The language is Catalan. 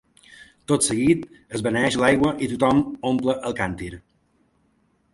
Tot seguit, es beneeix l’aigua i tothom omple el càntir.